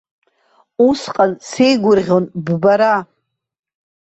Усҟан сеигәырӷьон ббара.